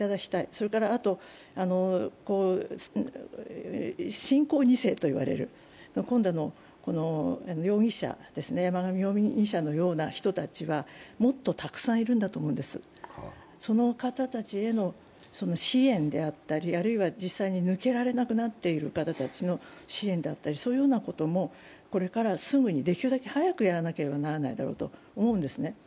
それから信仰２世といわれる山上容疑者のような人たちはもっとたくさんいるんだと思うんです、その方たちへの支援であったり、実際に抜けられなくなっている方たちへの支援、そういうようなこともこれからすぐにできるだけ早くやらなければならないだろうと思うんですね。